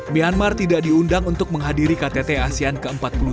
myanmar tidak diundang untuk menghadiri ktt asean ke empat puluh dua